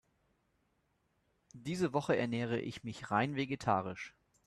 Diese Woche ernähre ich mich rein vegetarisch.